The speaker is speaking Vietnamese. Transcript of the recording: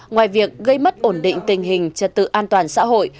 ngoài việc gây mất ổn định tình hình trật tự an toàn xã hội